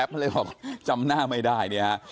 ก็เลยบอกจำหน้าไม่ได้เนี่ยฮะ